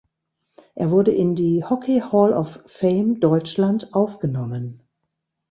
Er wurde in die Hockey Hall of Fame Deutschland aufgenommen.